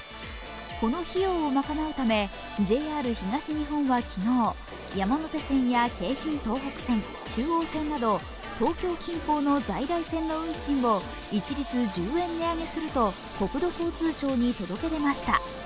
この費用を賄うためＪＲ東日本は昨日、山手線や京浜東北線、中央線など東京近郊の在来線の運賃を一律１０円値上げすると国土交通省に届け出ました。